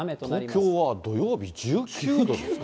東京は土曜日１９度ですか。